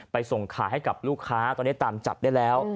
ส่งขายให้กับลูกค้าตอนนี้ตามจับได้แล้ว